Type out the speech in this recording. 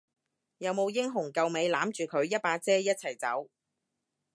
有冇英雄救美攬住佢一把遮一齊走？